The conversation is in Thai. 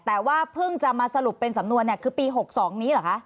แต่ว่าเพิ่งจะมาสรุปเป็นสำนวนคือปี๖๒นี้เหรอคะ